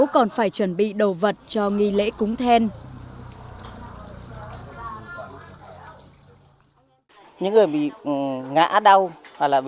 chị hò nhĩ tia